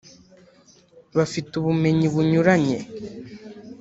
bafite ubumenyi bunyuranye